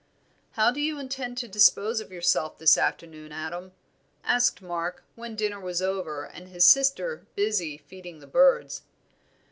"How do you intend to dispose of yourself this afternoon, Adam?" asked Mark, when dinner was over and his sister busy feeding the birds.